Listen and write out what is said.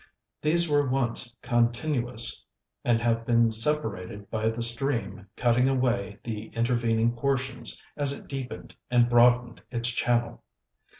These were once continuous, and have been separated by the stream cutting away the intervening portions as it deepened and broadened its channel.